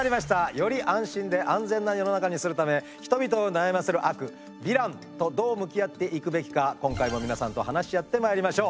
より安心で安全な世の中にするため人々を悩ませる悪ヴィランとどう向き合っていくべきか今回も皆さんと話し合ってまいりましょう。